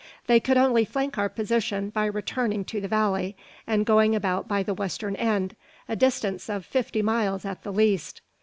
They could only flank our position by returning to the valley, and going about by the western end, a distance of fifty miles at the least.